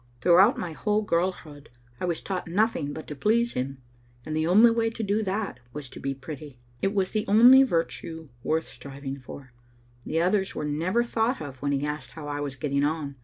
Throughout my whole girl hood I was taught nothing but to please him, and the only way to do that was to be pretty. It was the only virtue worth striving for ; the others were never thought of when he asked how I was getting on.